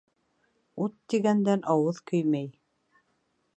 «Ут» тигәндән ауыҙ көймәй